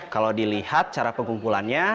kalau dilihat cara pengkumpulannya